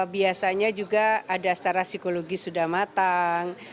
biasanya juga ada secara psikologis sudah matang